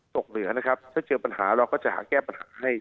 เหนือนะครับถ้าเจอปัญหาเราก็จะหาแก้ปัญหาให้